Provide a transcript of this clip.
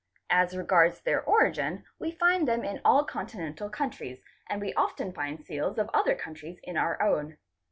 As regards their origin we find them in all continental countries and we often find seals of other countries in our own.